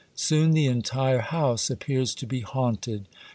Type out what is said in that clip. Soon the entire house appears to be haunted.